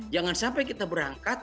jangan sampai kita berangkat